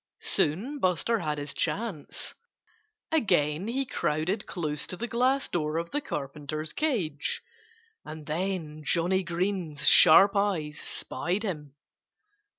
Soon Buster had his chance. Again he crowded close to the glass door of the Carpenter's cage. And then Johnnie Green's sharp eyes spied him.